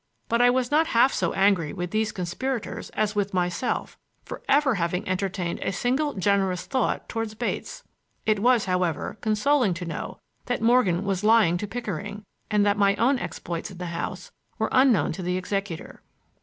But I was not half so angry with these conspirators as with myself, for ever having entertained a single generous thought toward Bates. It was, however, consoling to know that Morgan was lying to Pickering, and that my own exploits in the house were unknown to the executor.